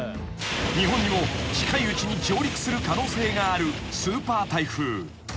［日本にも近いうちに上陸する可能性があるスーパー台風］